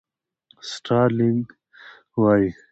سټارلېنک وایي.